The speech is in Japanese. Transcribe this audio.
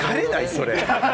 それ。